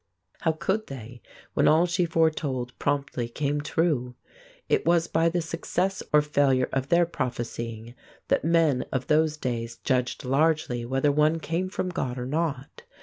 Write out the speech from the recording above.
How could they when all she foretold promptly came true? It was by the success or failure of their prophesying that men of those days judged largely whether one came from God or not.